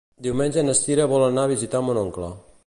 Diumenge na Sira vol anar a visitar mon oncle.